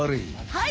はい。